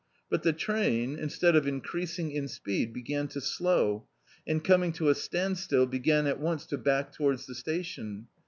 But the train, instead of increasing in speed, began to slow, and craning to a standstill, began at once to back towards the station.